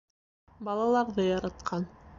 Балаларҙы яратҡан.